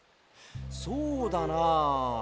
そうだな。